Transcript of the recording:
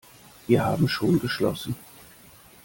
Wir haben schon geschlossen.